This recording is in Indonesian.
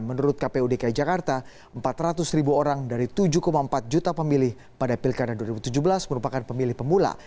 menurut kpu dki jakarta empat ratus ribu orang dari tujuh empat juta pemilih pada pilkada dua ribu tujuh belas merupakan pemilih pemula